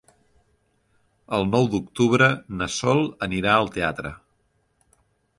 El nou d'octubre na Sol anirà al teatre.